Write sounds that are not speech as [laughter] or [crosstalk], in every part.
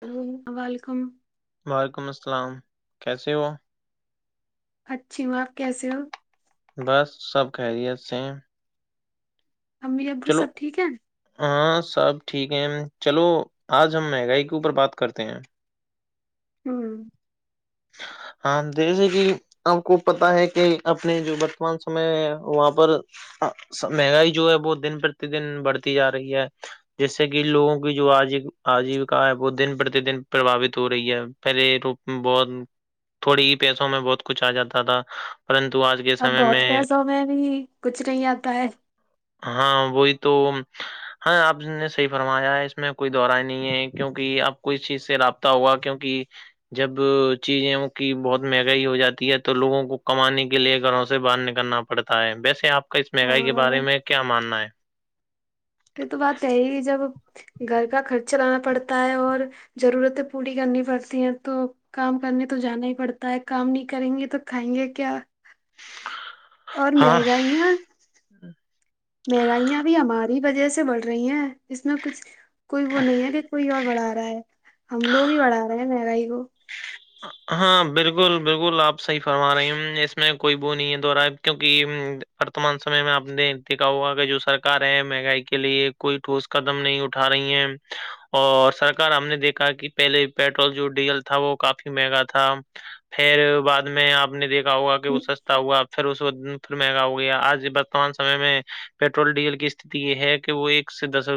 Hello welcome وعلیکم السلام کیسے ہو اچھی ہوں آپ کیسے ہو بس سب خیریت سے امی ابو چلو سب ٹھیک ہیں ہاں سب ٹھیک ہے چلو آج ہم مہنگائی کے اوپر بات کرتے ہیں ہوں ہاں جیسے کہ آپ کو پتا ہے کہ اپنے جو وورتمان سمے ہے وہاں پر مہنگائی جو ہے وہ دن پرتی دن بڑھتی جا رہی ہے جس سے کہ لوگوں کی جو آج آجیوکا ہے وہ دن پرتی دن پرباوت ہو رہی ہے پہلے رپ بہت تھوڑی ہی پیسوں میں بہت کچھ آ جاتا تھا پرتو آج کے اب سمے بہت میں پیسوں میں ا بھی کچھ نہیں آتا ہے ہاں وہی تو ہاں آپ نے صحی فرمایا ہے اس میں کوئی دہورائی نہیں ہے کیوںکہ اب کو اس چیز سے رابطہ ہوا کیوںک جب چیزوں کی بہت مہنگائی ہو جاتی ہے تو لوگوں کو کمانے کے لیے گھروں سے باہر نکلنا پڑتا ہے ویسے آپ ک اس ہاں مہنگائی کے بارے میں کیا ماننا ہے یہ تو بات ہےی جب گھر کا خرچ چلانا پڑتا ہے اور ضرورتیں پوری کرنی پڑتی ہے تو کام کرنے تو جانا ہی پڑتا ہے کام نہیں کریں گے تو کھائیں گے کیا اور ہاں مہنگ ہی ہے مہنگائیاں ابھی ہماری وجہ سے بڑھ رہی ہیں اس میں کچھ کوئی وہ نہیں ہے کہ کوئی اور بڑھا رہا ہے ہم لوگ ہی بڑھا رہے ہیں مہنگائی کو ہاں ہاں بالکل بالکل آپ صحیح فرما رہی ہ اس میں کوئی وہ نہیں ہے دو رہ ہے کیونکہ رتمان سمے میں آپ نے دیکھا ہوا جو سرار ہے مہنگائی کے لیے کوئی ٹھوس قدم نہیں اٹھا رہی ہیں اور سرکار ہم نے دیکا کہ پہلے پیٹرول جو ڈیزل تھا وہ کافی مہنگا تھا پھر بعد میں آپ نے دیکھا ہوا کہ وہ س تا ہوا پھر اس پھر مہنگا ہو گیا آج برتمان سمے میں پیٹرول ڈیزل کی استھتی یہ ہے کہ وہ ایک سے دس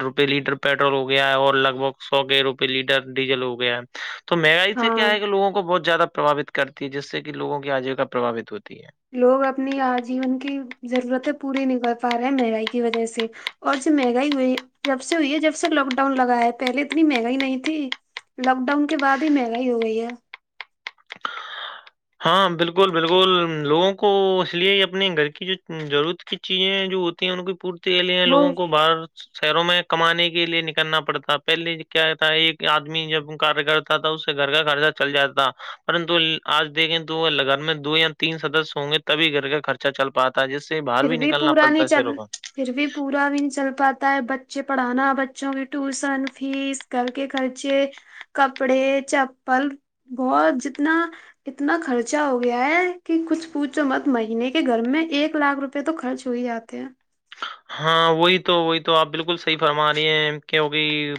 روپئے لیٹر پیٹرول ہو گیا ہے اور لگ بھگ سو کے روپئے لیٹر ڈیزل ہو گیا ہے تو مہنگائی سے ہاں کیا ہے کہ لوگوں کو بہت زیادہ پرباوت کرتی ہے جس سے کہ لوگوں کی آجیوکا پرباوت ہوتی ہے لوگ اپنی آجیون کی ضرورتیں پوری نہیں کر پا رہے ہیں مہنگائی کی وجہ سے اور جو مہنگائی ہوئی جب سے ہوئی ہے جب سے لاک ڈاؤن لگا ہے پہلے اتنی مہنگائی نہیں تھی لاک ڈاؤن کے بعد ہی منگائی ہو گئی ہے ہاں بالکل بالکل لوگوں کو اس لیے اپنے گھر کی جو ضرورت کی چیزیں جو ہوتی ہیں ان کی پورتی کے لی ہیں وہ لووں کو باہر شہروں میں کمانے کے لیے نکلنا پڑتا پہلے کیا تھا ایک آدمی جب کارگر تھا اس سے گھر کا خرچہ چل جاتا پرنتو آج دیکیں تو ل گن میں دو یا تین سدسیہ ہوں گے تبھی گھر کا خرچہ چل پاتا جس سے باہر پھر بھی نکلنا پورا پڑتا نہیں ہے شیروں چل کا پھر بھی پورا دن چل پاتا ہے بچے پڑھانا بچوں کی ٹیوشن فیس کر کے خرچے کپڑے چپل بہت جتنا اتنا خرچا ہو گیا ہے کہ کچھ پوچھ تو مت مہینے کے گھر میں ایک لاکھ روپئے پہ تو خرچ ہو ہی جاتے ہیں ہاں وہی تو وہی تو آپ بالکل صحیح فرما رہی ہیں کیونکہ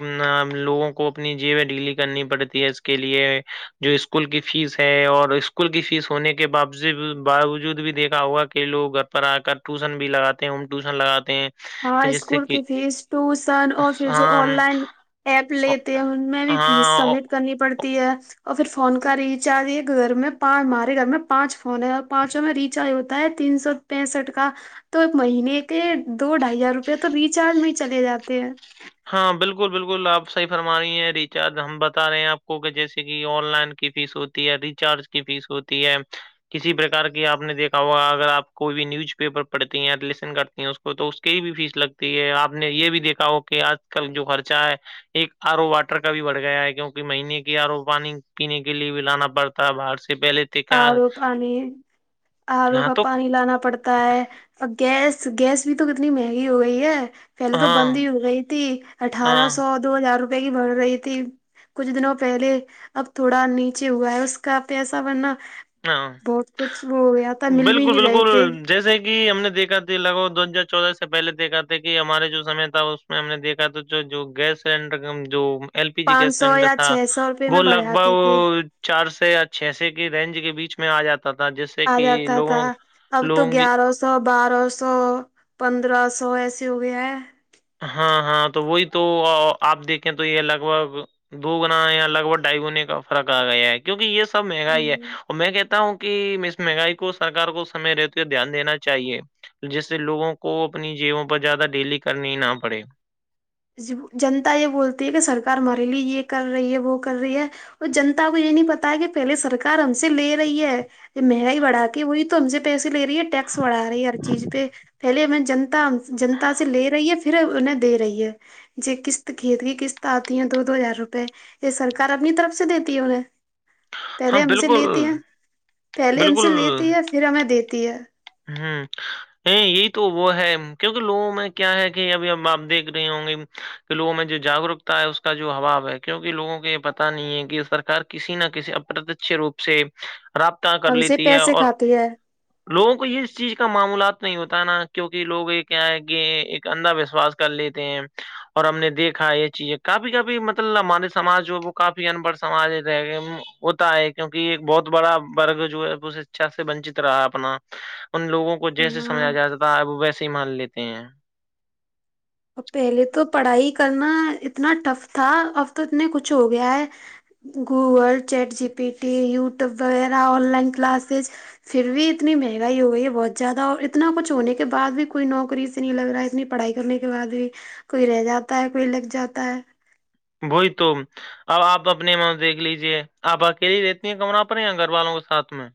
لوگوں کو اپنی جی ڈیلی کرنی پڑتی ہے اس کے لیے جو اسکول کی فیس ہے اور اسکول کی فیس ہونے کے با باوجود بھی دیکھا ہوا کہ لوگ گھر پر آ کر ٹیوشن بھی لگاتے ہیں ٹیوشن لگاتے ہیں ہاں کہ جس سے اسکول کہ کی فیس ٹیوشن اور پھر جو ہاں آن لائن ایپ لیتے ہیں ان میں بھی فیس ہاں سبمٹ کرنی پڑتی ہے اور پھر فون کا ریچارج یہ گھر میںچ ہمارے گھر میں پانچ فون ہے اور پانچوں میں ریچارج ہوتا ہے تین سو پینسٹھ کا تو ایک مہینے کے دو ڈھائی ہزار روپے تو ریچارج میں چلے جاتے ہیں ہاں بالکل بالکل آپ صحیح فرما رہی ہیں ریچارج ہم بتا رہے ہیں آپ کو کہ جیسے کہ آن لائن کی فیس ہوتی ہے ریچارج کی فیس ہوتی ہے کسی پرک کی آپ نے دیکھا ہوگا اگر آپ کوئی بھی نیوز پیپر پڑھتے ہیں لسن کرتی ہیں کو تو اس کے ہی بھی فیس لگتی ہے آپ نے یہ بھی دیکھا ہو کہ آج کل جو خرچہ ہے ایک آر او واٹر کا بھی بڑھ گیا ہے کیونکہ مہینے کے آر او پانی پینے کے لیے بھی لانا پڑتا باہر سے پہلے تھے کیا آر او پانی آر او ہاں کا تو پانی لانا پڑتا ہوتا ہے اور گیس گیس بھی تو کتنی مہنگی ہو گئی ہے پہلے تو بند ہاں ہی ہو گئی تھی اٹھارہ ہاں سو دو ہزار روپئے کی بڑ رہی تھی کچھ دنوں پہلے اب تھوڑا نیچے ہوا ہے اس کا پیسا بننا ہاں بہت کچھ وہ ہو گیا تھا مل بھی بالکل نہیں رہے بالکل تھے جیسے کہ ہم نے دیکا تھاے لگ بگ دو ہزار چودہ سے پہلے دیکا تھا کہ ہمارے جو سمے تھا ہم نے دیکھا تو جو گیس سلینڈر جو ایل پی جی پانچ گیس سو سلینڈر یا تھا چھ سو روپے میں وہ بڑھ لگ جاتی تھی بھگ چار سے یا چھ س کی رینج کے بیچ میں آ جاتا تھا جس سے آ کہ جاتا لوگوں تھا اب تو لوگوں کی گیارہ سو سو بارہ سو پندرہ سو ایسی ہوگئے ہے ہاں ہاں تو وہی تو آپ دیکھیں تو یہ لگ بھگ دو گنا یا لگ بھگ ڈھائی گنے کا فرق آ گیا ہے کیونکہ یہ سب مہنگاائی ہے ہ اور میں کہتا ہوں کہ مس مہنگائی کو سرار کو سمے رہتی یہ دھیان دینا چاہیے جس سے لوگوں کو اپنی جیبوں پر زیادہ ڈیلی کرنی نہ پڑے جنتا یہ بولتی ہے کہ سرکار ہمارے لیے یہ کر رہی ہے وہ کر رہی ہے اور جنتا کو یہ نہیں پتا کہ پہلے سرار ہم سے لے رہی ہے مہنگائی بڑھا کے وہی تو ہم سے پیسیے لے رہی ہے ٹیکس بڑھا رہی ہے ہر چیز پہ پہلے ہمیں جنتا جنتا سے لے رہی ہے پھر انہیں دے رہی ہے قستط کرید کی کستط آتی ہے دو دو ہزار روپے یہ سرکار اپنی طرف سے دیتی ہے انہیں ہاں پہلے ہم سے بالکل لیتی ہیں پہلے ہم بالکل سے لیتی ہے پھر ہمیں دیتی ہے ہوں یہی تو وہ ہے کیونکہ لوگوں میں کیا ہے کہ ابھی اب آپ دیکھ رہے ہوں گے کہ لوگوں میں جو جاگروکتا ہے اس کا جو اباؤ ہے کیونکہ لووں کو یہ پتا نہیں ہے کہ سرک کسی نہ کسی اپرتچ روپ سے رابطہ کر ہم سے لیتی ہے پیسے اور کھاتی ہے لوگوں کو کو اس چیز کا معامولات نہیں ہوتا ہے نا کیونکہ لوگ یہ کیا ہے کہ ایک اندھا وشواس کر لیتے ہیں اور ہم نے دیکھا یہ چیز کافی کافی مطلب ہمارے ساج جو وہ کافی انبڑھ سمج رہ گ ہوتا ہے کیوںکہ ایک بہت بڑا ورگ جو ہے ب اچھا سے ونچت رہا ہے اپنا ان لوگوں کو جیسے ہاں سمجھایا جاتا ہے اب ویسے ہی مان لیتے ہیں پہلے تو پڑھائی کرنا اتنا ٹف تھا اب تو اتنے کچھ ہو گیا ہے Google chat G P T YouTube وغیرہ آن لائن کلاسز پھر بھی اتنی مہنگائی ہو گئی ہے بہت زیادہ اور اتنا کچھ ہونے کے بع بھی کوئی نوکری سے لگ رہا ہے اتنی پڑھائی کرنے کے بعد بھی کوئی رہ جاتا ہے کوئی لگ جاتا ہے وہئی تو اب آپ اپنے دیکھ لیجے آپ اکیلی ہی رہتی ہیں کمرہ پر یا گھر والوں کے ساتھ میں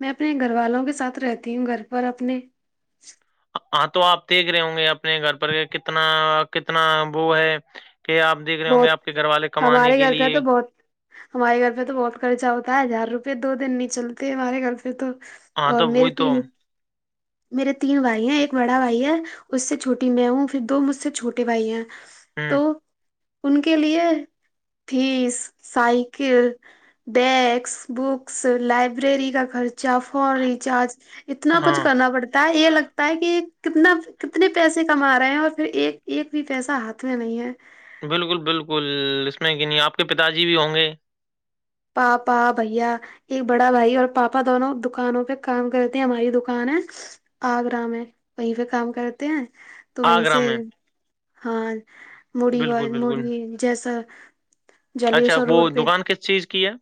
میں اپنے گھر والوں کے ساتھ رہتی ہوں گھر پر اپنے ہاں تو آپ دیکھ رہے ہوں گے اپنے گھر پر کتنا کتنا وہ ہے کہ آپ دیکھ رہے ہوں گے بہت آپ کے گھر والے کمانے ہمارے کے گھر پہ لیے تو بہت ہمارے گھر پہ تو بہت خرچہ ہوتا ہے ہزار روپئے دو دن نہیں چلتے ہمارے گھر پہ تو ہاں تو اور میرے وہئی تو تین میرے تین بھائی ہیں ایک بڑا بھائی ہے اس سے چھوٹی میں ہوں پھر دو مجھ سے چھوٹے بھائی ہیں تو ہوں ان کے لیے تس سائیکل ڈسک بکس لائبریری کا خرچہ فون ریچارج اتنا کچھ ہاں کرنا پڑتا ہے یہ لگتا ہے کہ کتنا کتنے پیسے کما رہے ہیں اور پھر ایک ایک بھی پیسہ ہاتھ میں نہیں ہے بالکل بالکل اس میں کہ نہیں آپ کے پتا جی بھی ہوں گے پا پا بھیا ایک بڑا بھائی اور پاپا دونوں دکانوں پہ کام کرے تھے ہماری دکان ہے آگرام ہے وہیں پہ کام کرتے ہیں تو وہیں آگرہ سے میں ہاں مڑی بالکل وال بالکل مڑی جیسا اچھا جلیسا وہ روڈ پہ دکان کس چیز کی ہے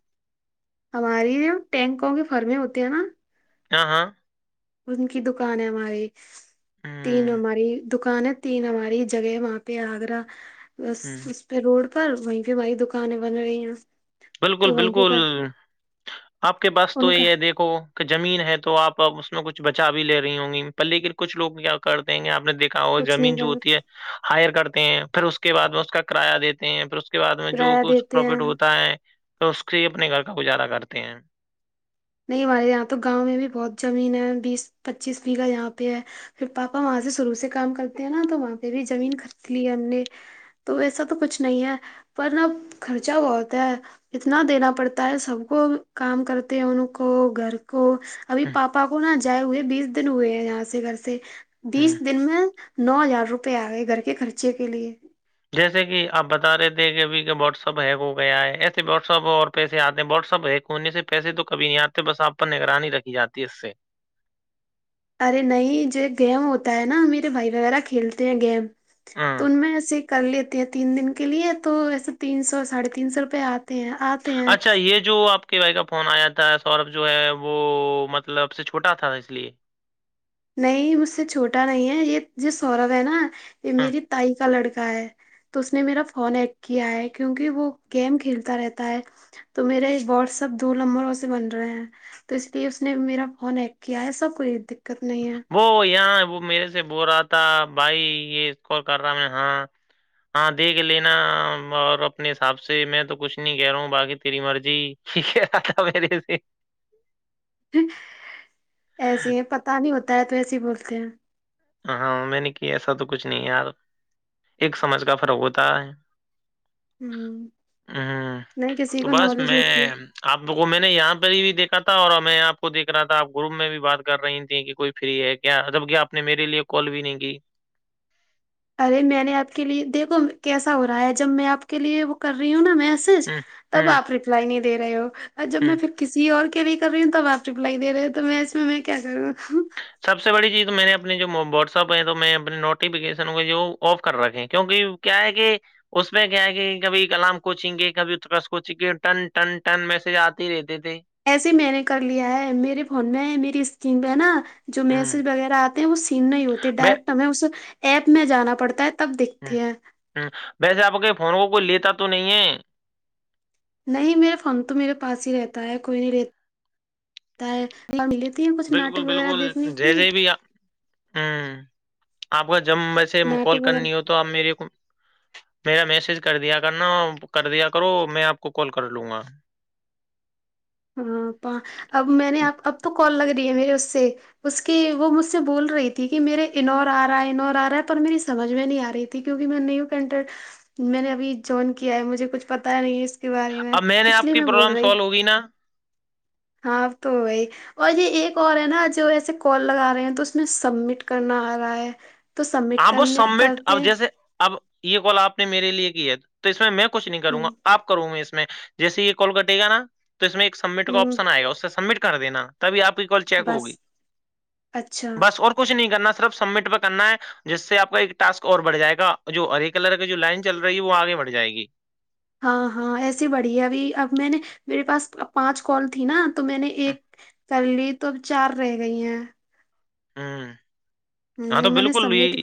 ہماری ٹینکوں کے فرمیں ہوتی ہیں نا ہاں ہاں ان کی دکان ہے ہماری ہ تین ہماری دکان ہے تین ہماری جگہ ہے وہاں پہ آگرہ بس ہ اس پہ روڈ پر وہیں پہ ہماری دکانیں بن رہی ہیں بالکل تو وہیں پہ بالکل کر آپ کے پاس تو ان کا یہ ہے دیکھو کہ زمین ہے تو آپ ا اس میں کچھ بچا بھی لے رہی ہوں گی پ لےیکن کچھ لوگ کیا کر دیں گے آپ نے دیکھا ہو کچھ زمین نہیں جو کر ہوتی ہے ہائر کرتے ہیں پھر اس کے بعد میں اس کا کرایہ دیتے ہیں پھر اس کے بعد میں جو کرایہ کچھ دیتے ہیں پروفٹ ہوتا ہے تو اس سے ہی اپنے گھر کا گزارا کرتے ہیں نہیں ہمارے یہاں تو گاؤں میں بھی بہت زمین ہے بیس پچیس بییھہ یہاں پہ ہے پھر پاپا وہاں سے شروع سے کام کرتے ہیں نا تو وہاں پہ بھی زمین خرید لی ہے ہم نے تو و ایسا تو کچھ نہیں ہے پرنب خرچا بہت ہے اتنا دینا پڑتا ہے سب کو کام کرتے ہیں ان کو گھر کو ابھی ہوں، پاپا کو نہا جائے ہوئے بیس دن ہوئے ہیں یہاں سے گھر سے ہوں۔ بیس دن میں نو ہزار روپئے آ گئے گھر کے خرچے کے لیے جیسے کہ آپ بتا رہے تھے کہ ابھی واٹس ایپ ہیک ہو گیا ہے ایسے واٹسپ اور پیسے آتے ہیں واٹس ایپ ہیک ہونے سے پیسے تو کبھی نہیں آتے بس آپ پر نگرانی رکھی جاتی ہے اس سے ارے نہیں جو گیم ہوتا ہے نا میرے بھائی وغیرہ کھیلتے ہیں گیم ہ تو ان میں سے کر لیتی ہے تین دن کے لیے تو ویسے تین سو ساڑھے تین سو روپے آ ہیں آپ اچھا یہ جو آپ کہ بھائی کا فون آیا تھا سوربھ جو ہے وہ مطلب اب سے چھوٹا تھا اس لیے نہیں مجھ سے چھوٹا نہیں ہے یہ یہ سوربھ ہے نا یہ ہاں میری تائی کا لڑکا ہے تو اس نے میرا فون ایک کیا ہے کیونکہ وہ گیم کھیلتا رہتا ہے تو میرے یہ واٹسپ دو نمبروں سے بن رہے ہیں تو اس لیے اس نے میرا فون ہ کیا ہے سب کوئی دقت نہیں ہے وہ یہاں وہ میرے سے بول رہا تھا بھائی یہ کوال کر رہا میں ہاں ہاں دیکھ لینا اور اپنے حساب سے میں تو کچھ نہیں کہہ رہا ہوں باقی تیری مرضی کیک آ تھا پیرے سے ایسے ہے پتا نہیں ہوتا ہے تو ایسے ہی بولتے ہیں ہاں میں نے کہ ایسا تو کچھ نہیں یار ایک سمجھ کا فرق ہوتا ہے ہ نہیں کسی تو کو بس نالج میں ہوتی ہے آپ کو میں نے یہاں پہ ہی بھی دیکا تھا اور میں آپ کو دیکھ رہا تھا آپ گروپ میں بھی بات کر رہی تھی کہ کوئی فری ہے کیا جب کیا آپ نے میرے لیے کال بھی نہیں کی ارے میں نے آپ کے لیے دیکھو کیسا ہو رہا ہے جب میں آپ کے لیے وہ کر رہی ہوں نا میں ہوں تب ہوں آپ ریپلائی نہیں دے رہے ہو جب میں ہوں پ کسی اور کے بھی کر رہی ہوں تب آپ رپلائی دے رہے ہو تو میں اس میں کیا کر رہا ہوں سب سے بڑی چیز تو میں نے اپنے جو واٹسپ ہے تو میں اپنے نوٹیفیکیشنوں کے جو آف کر رکھے کیونکہ کیا ہے کہ اس میں کیا ہے کہ کبھی کلام کوچیں گے کب ات کوچیں گے ٹن ٹن ٹن میسج آتے ہی رہتے تھے ایسے میں نے کر لیا ہے میرے فون میں میری اسکن پہ ہے نا جو ہوں میسج وغیرہ آتے ہیں وہ سیو نہیں ہوتے میں ڈائریکٹ ہمیں اس ایپ میں جانا پڑتا ہے تب ہوں دیکھتے ہیں ویسے آپ کے فون کو کوئی لیتا تو نہیں ہے نہیں میرے فون تو میرے پاس ہی رہتا ہے کوئی نہیں رہ لیتی ہیں کچھ ناٹک بالکل وغیرہ بالکل دیکھنے کے لیے جیسے بھی آ- ہوں آپ کا جب میں سے کال ناٹک وغیرہ کرنی ہو تو آپ میری میرا میسج کر دیا کرنا کر دیا کرو میں آپ کو کال کر لوں گا ہاں اب میں نے اب تو کال لگ رہی ہے میرے اس سے اس کی وہ مجھ سے بول رہی تھی کہ میرے انور آ رہا ہے انور آ رہا ہے پر میری سمجھ میں نہیں آ رہی تھی کیونکہ میں نہیں ہوں کنٹر میں نے ابھی جوائن کیا ہے مجھے کچھ پتا نہیں ہے اس کے بارے میں اس لیے میں بول رہی ئی نا ہاں توی اور یہ ایک اور ہے نا جو ایسے کال لگا رہے ہیں تو اس میں سبمٹ کرنا آ رہا ہے تو سبمٹ ہاں وہ کرنے سبمٹ کرتے اب ہیں جیسے اب یہ کال آپ نے میرے لیے کی ہے تو اس میں میں کچھ نہیں ہ کروں گا آپ کروں گ میں اس میں جیسے یہ کال کٹے گ نا تو اس میں ایک سبمٹ کا ہ آپشن آئے گا اس سے سبمٹ کر کر دینا تبھی آپ کی کال چیک ہوگی بس اچھا بس اور کو کچھ نہیں کرنا صرف سبمٹ پہ کرنا ہے جس سے آپ کا ایک ٹسک اور بڑھ جائے گا جو ارے کلر کی جو لائن چل رہی ہے وہ آگے بڑھ جائے گی ہاں ہاں ایسے بڑی ہے ابھی اب میں نے میرے پاس پانچ کال تھی نا تو میں نے ایک کر لی تو اب چار رہ گئی ہیں ہاں ہوں تو میں نے بالکل سبمٹ یہ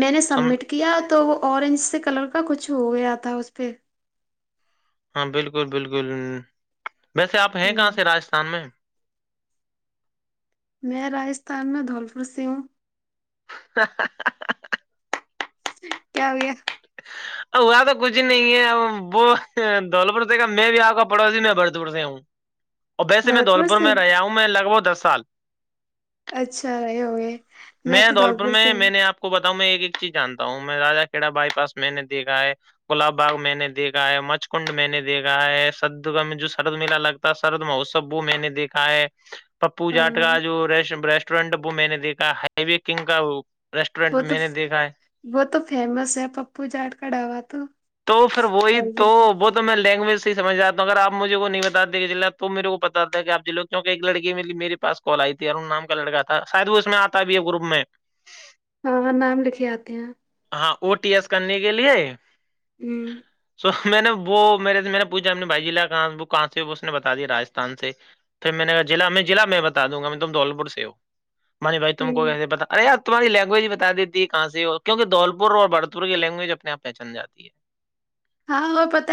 میں نے سم سبمٹ کیا تو وہ اورینج سے کلر کا کچھ ہو گیا تھا اس پہ ہاں بالکل بالکل ویسے آپ ہیں ہوں کہاں سے راستھان میں میں راجستھان میں دھولپور سے ہوں س کیا ہویا وہاں تو کچھ ہی نہیں ہے وہ دولپور سے کا میں بھی آؤ کا پڑوسی میں بڑپڑ سے ہوں [inaudible] اور ویسے میں بھرت پور دھولپور سے میں رہیا ہوں میں لگ بھگ دس سال اچھا یہ ہوگئے میں دھول پور تودولپور س میں میں نے آپ کو بتاؤں میں ایک ایک چیز جانتا ہوں میں را کھڑا بائی پاس میں نےیکھا ہے گلاب باغ میں نے دیکھا ہے مچکنڈ میں نے دیکھا ہے سرگہ میں جو سرد میلا لگتا سرد موسب بو میں نے دیکھا ہے ج [unintelligible] [inaudible] پپو جاٹ کا جو ریسٹورینٹ ہے وہ میں نے دیکھا ہ و کنگ کا وہ وہ ریسٹورینٹ تو میں نے دیکھا ہے وہ تو فیمس ہے پپو جاٹ کڑاوا تو تو پھر وہی تو دھولپور سے. ب تو میں لینگویج سے ہیمجھاتا ہوں ا آپ مجھے کو نہیں بات دیتے کہ جللہ تو میرے کو بتا ہے کہ آپ جلو کیونک ایک لڑی میرے پا کو کال آئی تھی ارن نام کا لڑکا تھا شاید وہ اس میں آتا ہے بھی ایک گروپ میں ہاں نام لکھے آتے ہیں ہاں او ٹی ایس کرنے کے لیے ہوں س میں نے وہ میرے سے میں نے پوچھا اپنے بھائی جی ل کہاں وہ کہاں سے اس نے بتا دیا رجستھان سے پھر میں نے ضع میں لع میں بتا دوں گا میں تم دھولپور سے ہو مانی بھائی تم کو ہوں کیسے بتا ارےی تمہاری لینگویج بتا دیتی ہے کہاں سے ہو کیونک دولور اور بڑ ترے لینگویج اپنے آپ پہچلاتی ہے ہاں ہو پتا